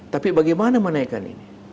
tapi bagaimana menaikkan ini